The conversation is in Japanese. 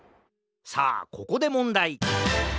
さあここでもんだい！